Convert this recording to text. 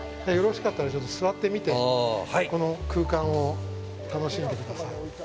よろしかったら、ちょっと座ってみてこの空間を楽しんでください。